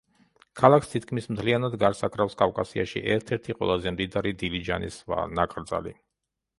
ქალაქს თითქმის მთლიანად გარს აკრავს კავკასიაში ერთ-ერთი ყველაზე მდიდარი დილიჯანის ნაკრძალი.